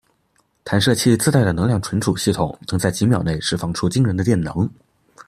弹射器自带的能量存储系统能在几秒内释放出惊人的电能。